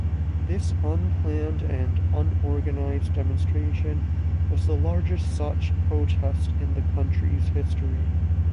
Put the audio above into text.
This unplanned and unorganized demonstration was the largest such protest in the country's history.